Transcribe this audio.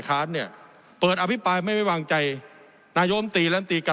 ค้านเนี่ยเปิดอภิปรายไม่ไว้วางใจนายมตีลำตีการ